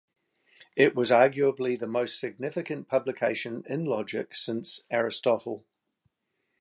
It was arguably the most significant publication in logic since Aristotle.